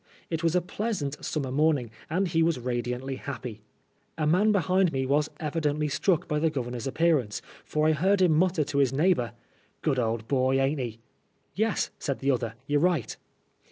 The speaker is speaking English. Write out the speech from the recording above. It was a pleasant summer morning, and he was radiantly happy. A man behind me was evidently struck by the Governor's appearance, fori heard him mutter to his neighbor, "Good old boy, ain't he ?"" Yes," said the other, " you're right."